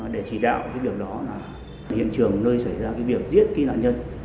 để chỉ đạo cái việc đó là hiện trường nơi xảy ra cái việc giết cái nạn nhân